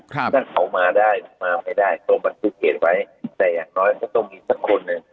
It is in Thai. ถ้าเขามาได้มาไม่ได้ก็บันทึกเหตุไว้แต่อย่างน้อยก็ต้องมีสักคนหนึ่ง